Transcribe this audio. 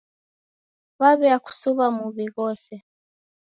Waw'iakusuw'a muw'i ghose.